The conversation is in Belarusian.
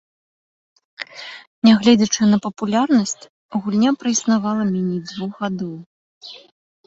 Нягледзячы на папулярнасць, гульня праіснавала меней двух гадоў.